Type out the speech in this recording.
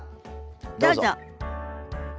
どうぞ。